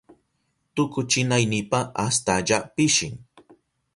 Tukuchinaynipa astalla pishin.